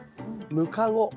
ムカゴ。